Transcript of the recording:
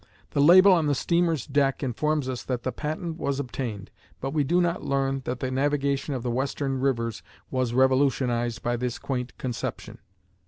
The label on the steamer's deck informs us that the patent was obtained; but we do not learn that the navigation of the western rivers was revolutionized by this quaint conception.